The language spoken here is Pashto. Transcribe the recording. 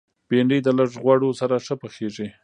بېنډۍ د لږ غوړو سره ښه پخېږي